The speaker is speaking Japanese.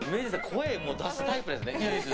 声出すタイプですね。